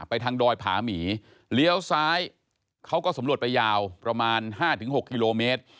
ทางดอยผาหมีเลี้ยวซ้ายเขาก็สำรวจไปยาวประมาณ๕๖กิโลเมตร